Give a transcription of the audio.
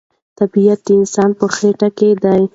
طبیعت د انسان په خټه کې دی.